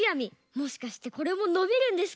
もしかしてこれものびるんですか？